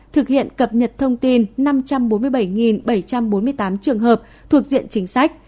thực hiện cập nhật thông tin năm trăm bốn mươi bảy bảy trăm bốn mươi tám trường hợp thuộc diện chính sách